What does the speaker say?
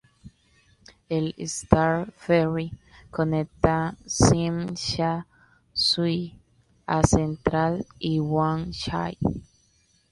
El Star Ferry conecta Tsim Sha Tsui a Central y Wan Chai.